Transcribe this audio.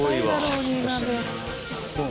シャキッとしてるなあ。